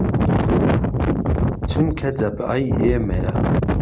چونکه جهبعەی ئيمەيه